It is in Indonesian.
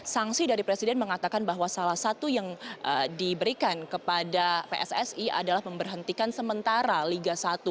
sangsi dari presiden mengatakan bahwa salah satu yang diberikan kepada pssi adalah memberhentikan sementara liga satu